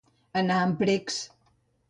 Anar amb precs.